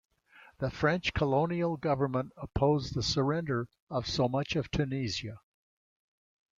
The French colonial government opposed the surrender of so much of Tunisia.